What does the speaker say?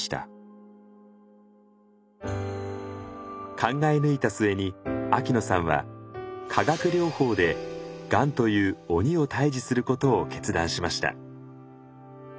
考え抜いた末に秋野さんは化学療法でがんという鬼を退治することを決断しました。